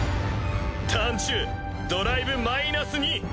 ターン中ドライブマイナス２！